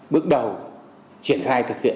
bước đầu triển khai thử nghiệm